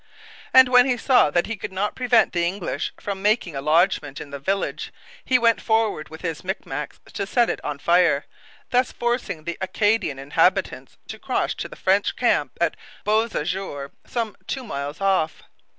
And, when he saw that he could not prevent the English from making a lodgment in the village, he went forward with his Micmacs and set it on fire, thus forcing the Acadian inhabitants to cross to the French camp at Beausejour, some two miles off.